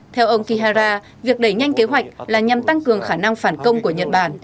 theo ông kihara việc đẩy nhanh kế hoạch là nhằm tăng cường khả năng phản công của nhật bản